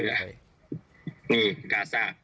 นี่กาซ่า